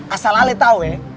asal ale tau ya